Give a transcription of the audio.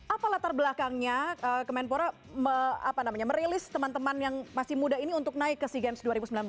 apa latar belakangnya kemenpora merilis teman teman yang masih muda ini untuk naik ke sea games dua ribu sembilan belas